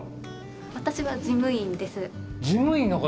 私は事務員の方？